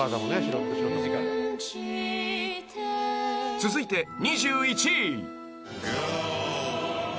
［続いて２１位］